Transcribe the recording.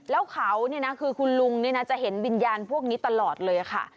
แล้วเขาเนี่ยนะคือคุณลุงจะเห็นวิญญาณพวกนี้ตลอดเลยค่ะ